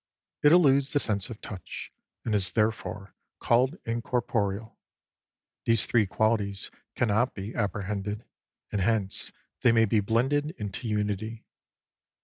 It eludes the sense of touch, and is therefore called incorporeal. These three qualities cannot be apprehended, and hence they may be blended into unity.